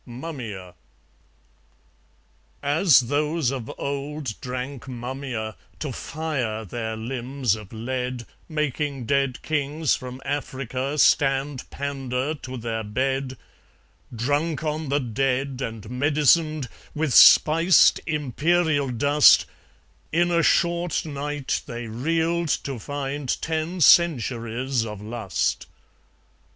Mummia As those of old drank mummia To fire their limbs of lead, Making dead kings from Africa Stand pandar to their bed; Drunk on the dead, and medicined With spiced imperial dust, In a short night they reeled to find Ten centuries of lust.